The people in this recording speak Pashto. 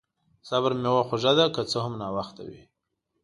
د صبر میوه خوږه ده، که څه هم ناوخته وي.